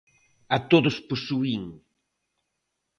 A todos posuín.